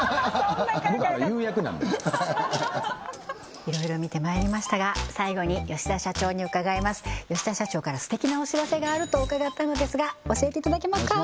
僕は言う役なんでいろいろ見てまいりましたが最後に吉田社長に伺います吉田社長から素敵なお知らせがあると伺ったのですが教えていただけますか？